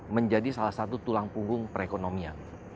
menjadi salah satu tulang punggung perekonomian